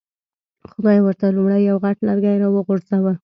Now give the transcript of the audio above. خدای ورته لومړی یو غټ لرګی را وغورځاوه.